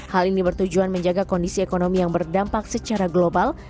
hal ini bertujuan menjaga kondisi ekonomi yang berdampak secara global